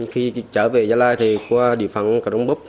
khi trở về gia lai thì qua địa phận cà đông búc